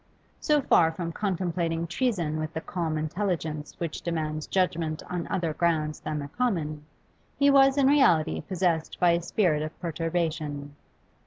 So far from contemplating treason with the calm intelligence which demands judgment on other grounds than the common, he was in reality possessed by a spirit of perturbation.